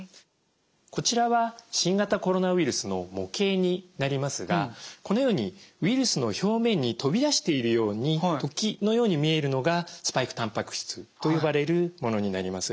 こちらは新型コロナウイルスの模型になりますがこのようにウイルスの表面に飛び出しているように突起のように見えるのがスパイクたんぱく質と呼ばれるものになります。